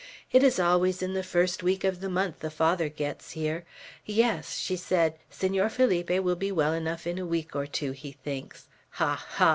It is always in the first week of the month the Father gets here. Yes; she said, 'Senor Felipe will be well enough in a week or two, he thinks.' Ha! ha!